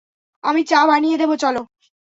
আমি চা বানিয়ে দেব, চলো।